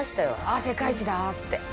「あっ世界一だ」って。